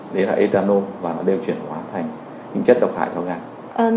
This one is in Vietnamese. đấy là ethanol và nó đều chuyển hóa thành những chất độc hại cho gan